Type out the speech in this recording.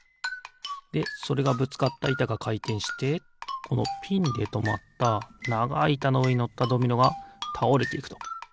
でそれがぶつかったいたがかいてんしてこのピンでとまったながいいたのうえにのったドミノがたおれていくと。